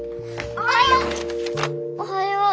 おはよう。